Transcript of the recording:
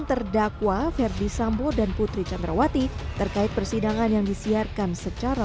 terdakwa ferdi sambo dan putri candrawati terkait persidangan yang disiarkan secara